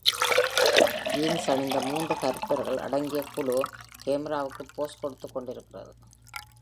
Jeans அணிந்த மூன்று கருப்பர்கள் அடங்கிய குழு கேமராவுக்கு போஸ் கொடுத்துக்கொண்டிருக்கிறது.